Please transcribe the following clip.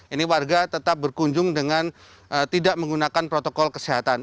ini warga tetap berkunjung dengan tidak menggunakan protokol kesehatan